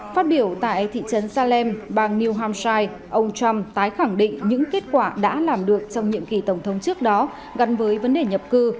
phát biểu tại thị trấn salem bang new hampshire ông trump tái khẳng định những kết quả đã làm được trong nhiệm kỳ tổng thống trước đó gắn với vấn đề nhập cư